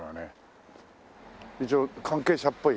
一応関係者っぽい。